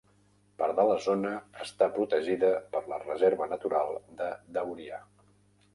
Part de la zona està protegida per la Reserva Natural de Dauria.